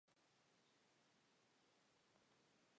Más tarde comenzó a tocar otros instrumentos entre ellos la guitarra.